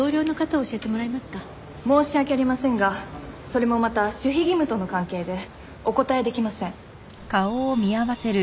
申し訳ありませんがそれもまた守秘義務との関係でお答えできません。